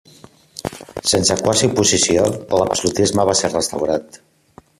Sense quasi oposició, l'absolutisme va ser restaurat.